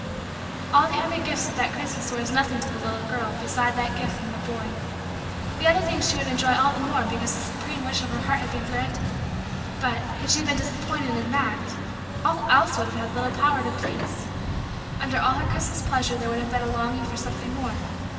All the other gifts of that Christmas time were as nothing to the little girl beside that gift from the boy. The other things she would enjoy all the more because the supreme wish of her heart had been granted; but, had she been disappointed in that, all else would have had little power to please. Under all her Christmas pleasure there would have been a longing for something more.